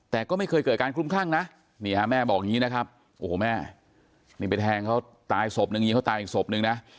แต่ก็ไม่เคยเกิดการคลุมคลั่งนะนี่ฮะแม่บอกอย่างนี้นะครับโอ้โหแม่นี่ไปแทงเขาตายศพนึงยิงเขาตายอีกศพนึงนะ